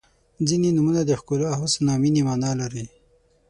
• ځینې نومونه د ښکلا، حسن او مینې معنا لري.